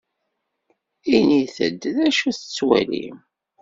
Init-d d acu tettwalim.